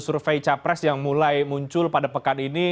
survei capres yang mulai muncul pada pekan ini